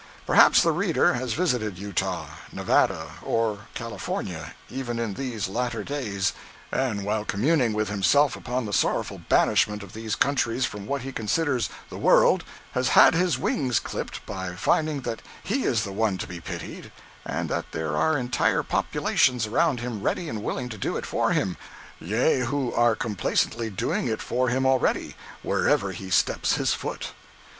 Perhaps the reader has visited Utah, Nevada, or California, even in these latter days, and while communing with himself upon the sorrowful banishment of these countries from what he considers "the world," has had his wings clipped by finding that he is the one to be pitied, and that there are entire populations around him ready and willing to do it for him—yea, who are complacently doing it for him already, wherever he steps his foot.